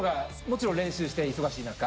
もちろん練習して忙しい中。